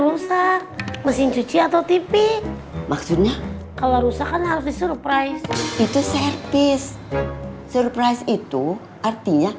rusak mesin cuci atau tv maksudnya kalau rusak kan harus disurprise itu service surprise itu artinya